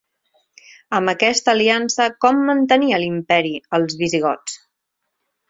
Amb aquesta aliança com mantenia l'imperi als visigots?